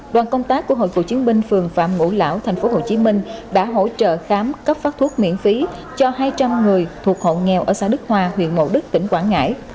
đoàn công tác của hội cựu chiến binh phường phạm ngũ lão tp hcm đã hỗ trợ khám cấp phát thuốc miễn phí cho hai trăm linh người thuộc hộ nghèo ở xã đức hòa huyện mộ đức tỉnh quảng ngãi